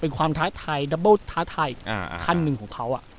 เป็นความท้าทายท้าทายอ่าขั้นหนึ่งของเขาอ่ะ